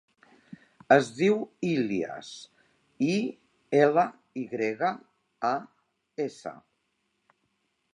Es diu Ilyas: i, ela, i grega, a, essa.